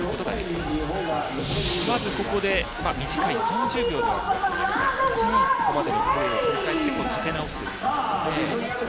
まずここで短い３０秒ではありますがここまで日本が振り返って立て直すということですね。